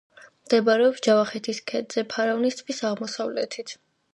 მდებარეობს ჯავახეთის ქედზე, ფარავნის ტბის აღმოსავლეთით.